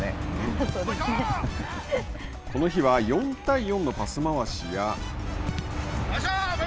この日は４対４のパス回しや。